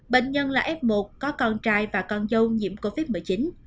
bệnh nhân là f một có con trai và con dâu nhiễm covid một mươi chín